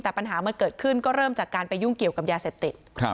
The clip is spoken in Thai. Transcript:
แต่ปัญหามันเกิดขึ้นก็เริ่มจากการไปยุ่งเกี่ยวกับยาเสพติด